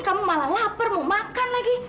kamu malah lapar mau makan lagi